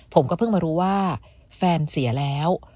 ผมก็เพิ่งมารู้ว่าแฟนเสียแล้ว